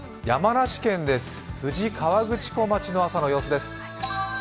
山梨県です、富士河口湖町の朝の様子です。